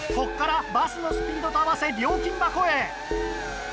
ここからバスのスピードと合わせ料金箱へ。